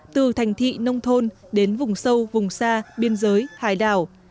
từ thành thị nông thôn đến vùng sâu vùng xa biên giới hải đảo